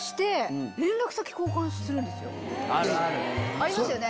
ありますよね。